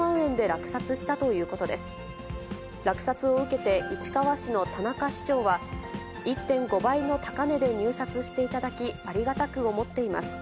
落札を受けて、市川市の田中市長は、１．５倍の高値で入札していただき、ありがたく思っています。